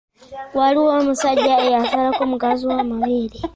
Waliwo omusajja eyasalako mukazi we amabeere!